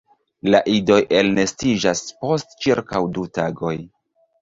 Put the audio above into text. La idoj elnestiĝas post ĉirkaŭ du tagoj.